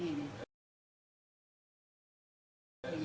นี่นี่นี่